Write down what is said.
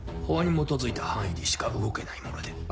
法に基づいた範囲でしか動けないもので。